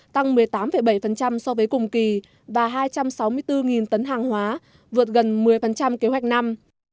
tăng một mươi tám bảy so với cùng kỳ và hai trăm sáu mươi bốn tấn hàng hóa vượt gần một mươi kế hoạch năm